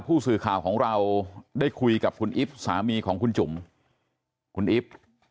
ผู้สื่อข่าวของเราได้คุยกับคุณอิฟต์สามีของคุณจุ๋มคุณอิ๊บ